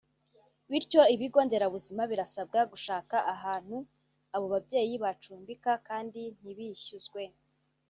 bityo ibigo nderabuzima birasabwa gushaka ahantu abo babyeyi bacumbika kandi ntibishyuzwe